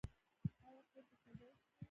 ایا پورته کیدی شئ؟